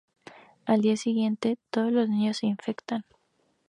Al día siguiente, todos los niños se infectan.